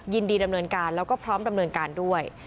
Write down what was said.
ยินดีดำเนินการแล้วก็พร้อมดำเนินการด้วย